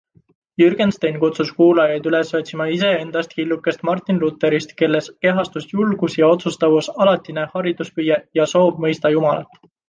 Jürgenstein kutsus kuulajaid üles otsima iseendas killukest Martin Lutherist, kelles kehastus julgus ja otsustavus, alatine hariduspüüe ja soov mõista Jumalat.